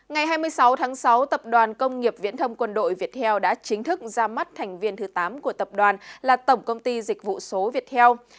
ngày hai mươi sáu tháng sáu tập đoàn công nghiệp viễn thông quân đội việt heo đã chính thức ra mắt thành viên thứ tám của tập đoàn là tổng công ty dịch vụ số việt heo